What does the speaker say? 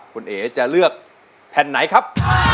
คุณเอ๋จะเลือกแผ่นไหนครับ